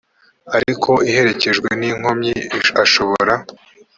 ariko iherekejwe n inkomyi ashobora